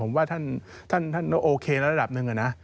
ผมว่าท่านโอเคระดับหนึ่งนะ